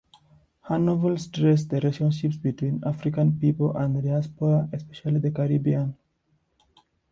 Her novels trace the relationships between African peoples and the diaspora, especially the Caribbean.